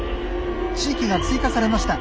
地域が追加されました。